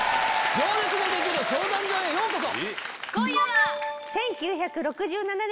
『行列のできる相談所』へようこそ。